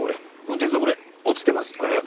運転手さんこれ落ちてましたよ。